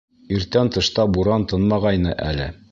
Иртән тышта буран тынмағайны әле.